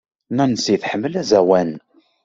Nancy tḥemmel aẓawan.